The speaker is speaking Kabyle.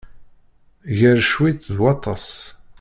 Gar cwiṭ, d waṭas.